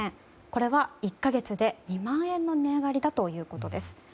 これは１か月で２万円の値上がりだということです。